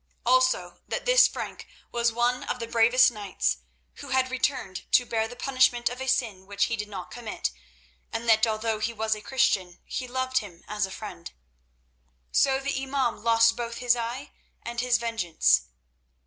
Also, that this Frank was one of the bravest of knights, who had returned to bear the punishment of a sin which he did not commit, and that, although he was a Christian, he loved him as a friend. So the imaum lost both his eye and his vengeance.